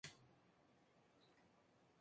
La tercera corona sufrió muchas reformas.